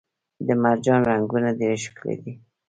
د مرجان رنګونه ډیر ښکلي دي